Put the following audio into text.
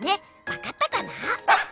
わかったかな？